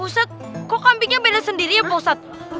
ustadz kok kambingnya beda sendiri ya